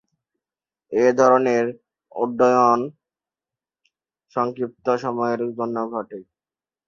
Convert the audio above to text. এ ধরনের উড্ডয়ন সংক্ষিপ্ত সময়ের জন্য ঘটে।